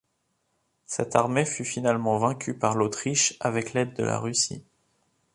Cette armée fut finalement vaincue par l'Autriche avec l'aide de la Russie.